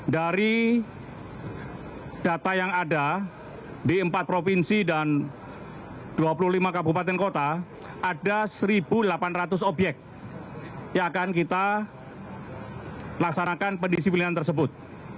dari data yang ada di empat provinsi dan dua puluh lima kabupaten kota ada satu delapan ratus obyek yang akan kita laksanakan pendisiplinan tersebut